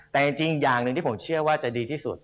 แต่จริงอย่างหนึ่งที่ผมเชื่อว่าจะดีที่สุด